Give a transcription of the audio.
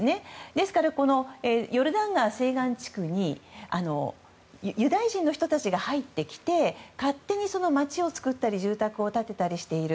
ですから、ヨルダン川西岸地区にユダヤ人の人たちが入ってきて勝手に街を作ったり住宅を建てたりしている。